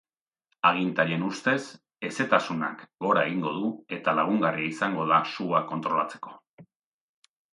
Agintarien ustez hezetasunak gora egingo du eta lagungarria izango da sua kontrolatzeko.